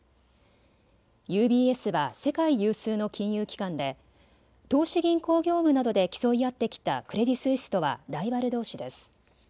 ＵＢＳは世界有数の金融機関で投資銀行業務などで競い合ってきたクレディ・スイスとはライバルどうしです。